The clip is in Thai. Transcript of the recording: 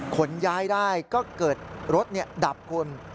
ขนย้ายได้ก็เกิดรถดับคุณ